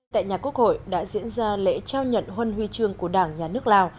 tại nhà quốc hội đã diễn ra lễ trao nhận huân huy trương của đảng nhà nước lào